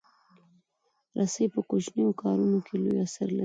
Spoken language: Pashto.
رسۍ په کوچنیو کارونو کې لوی اثر لري.